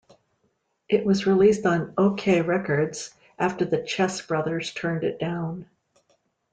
It was released on Okeh Records, after the Chess brothers turned it down.